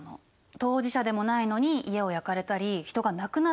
当事者でもないのに家を焼かれたり人が亡くなったりしたの。